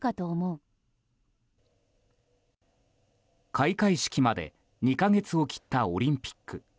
開会式まで２か月を切ったオリンピック。